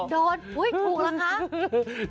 โดนอุ๊ยถูกแล้วคะ